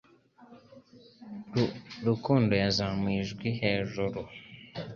Rukundo yazamuye ijwi hejuru